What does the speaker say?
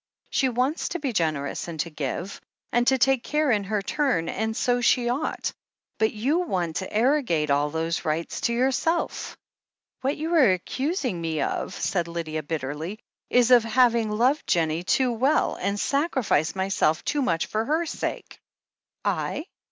She wants to be generous and to give, and to take care in her turn — ^and so she ought. But you want to arrogate all those rights to yourself." "What you are accusing me of," said Lydia bitterly, "is of having loved Jennie too well, and sacrificed my self too much for her sake." "I?"